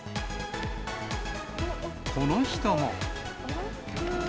この人も。